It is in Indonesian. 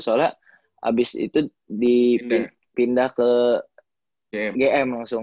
soalnya habis itu dipindah ke gm langsung